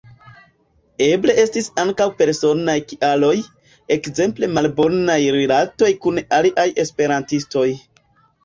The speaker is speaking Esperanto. Eble estis ankaŭ personaj kialoj, ekzemple malbonaj rilatoj kun aliaj esperantistoj.